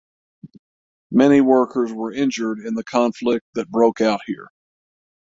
Many workers were injured in the conflict that broke out here.